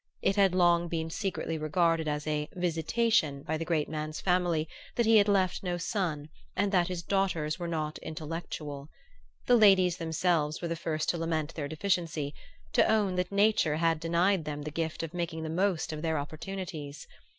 It had long been secretly regarded as a "visitation" by the great man's family that he had left no son and that his daughters were not "intellectual." The ladies themselves were the first to lament their deficiency, to own that nature had denied them the gift of making the most of their opportunities.